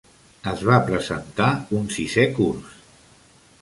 Es va presentar un sisè curs.